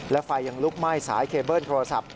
และไฟยังลุกไหม้สายเคเบิ้ลโทรศัพท์